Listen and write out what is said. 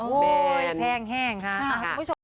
โอ้โหแพงแห้งค่ะ